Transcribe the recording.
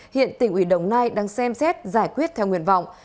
hiện tỉnh ủy đồng nai đang xem xét giải quyết theo nguyện vọng